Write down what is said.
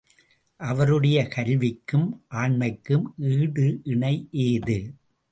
அவருடைய கல்விக்கும் ஆண்மைக்கும் ஈடு இணை ஏது?